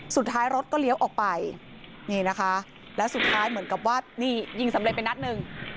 สุดท้ายรถก็เลี้ยวออกไปนี่นะคะแล้วสุดท้ายเหมือนกับว่านี่ยิงสำเร็จไปนัดหนึ่ง